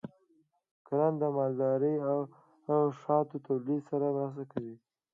کرنه د مالدارۍ او شاتو تولید سره مرسته کوي.